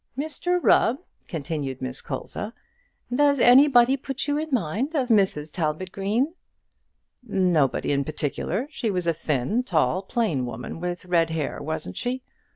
"Mr Rubb," continued Miss Colza, "does anybody put you in mind of Mrs Talbot Green?" "Nobody in particular. She was a thin, tall, plain woman, with red hair, wasn't she?